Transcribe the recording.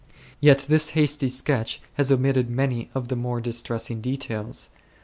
Yet this hasty sketch has omitted many of the more distressing details.